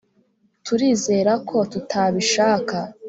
turizera ko tutabishaka.